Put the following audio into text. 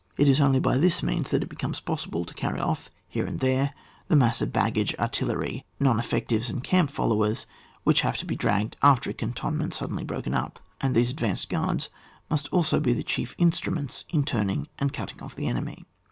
It is only by this means that it becomes possible to carry off here and 32 OJSr WAR. [book vn. there the mass of baggage, artillery, non effectives, and camp followers, which have to be dragged after a cantonment suddenly broken up, and these advanced guards must also be the chief instru ments in turning and cutting off the enemy.